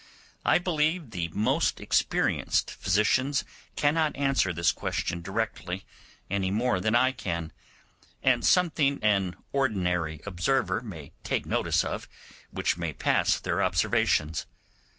I believe the most experienced physicians cannot answer this question directly any more than I can; and something an ordinary observer may take notice of, which may pass their observations.